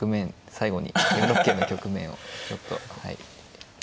最後に４六桂の局面をちょっとはい。